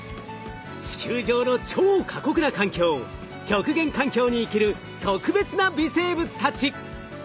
地球上の超過酷な環境極限環境に生きる特別な微生物たち！